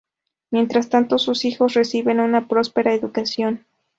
Mientras tanto, sus hijos reciben una próspera educación.